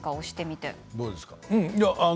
どうですか？